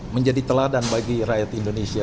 menjadi teladan bagi rakyat indonesia